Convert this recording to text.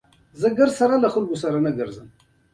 د اسلام او امر بالمعروف په نوم جګړه نه جوړېدله.